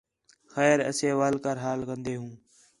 خیر اسے ول کر حال کندے ہوں